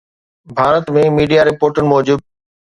Bharat ۾ media رپورٽن موجب